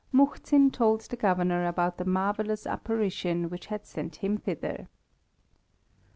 Muhzin told the Governor about the marvellous apparition which had sent him thither.